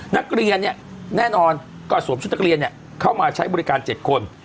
นักเรียนเนี่ยแน่นอนก็สวมชุดนักเรียนเข้ามาใช้บริการ๗คน